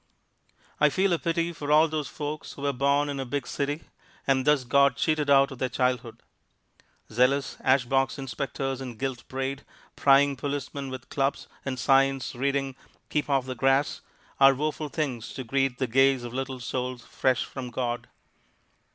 I feel a pity for all those folks who were born in a big city, and thus got cheated out of their childhood. Zealous ash box inspectors in gilt braid, prying policemen with clubs, and signs reading, "Keep Off the Grass," are woeful things to greet the gaze of little souls fresh from God.